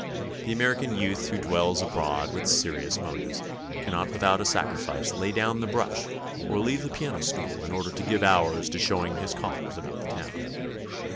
The American youth who dwells abroad with serious motives cannot with out a sacrifice lay down the brush or leave the piano stool in order to give hours to showing his callers about the town.